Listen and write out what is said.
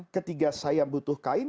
ketika saya butuh kain